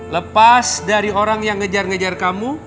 lepas dari orang yang ngejar ngejar kamu